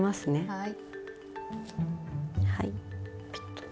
はい。